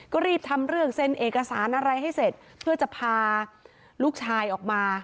ก็รีบทำเรื่องเซ็นเอกสารอะไรให้เสร็จเพื่อจะพาลูกชายออกมา